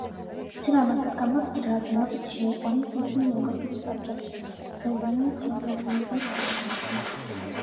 სილამაზის გამო, დიდი რაოდენობით შეიყვანეს ისინი ევროპის პარკებში, საიდანაც ველურ ბუნებაში გავრცელდნენ.